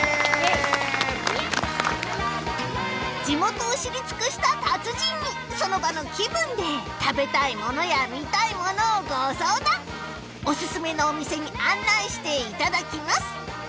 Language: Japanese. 地元を知り尽くした達人にその場の気分で食べたいものや見たいものをご相談オススメのお店に案内していただきます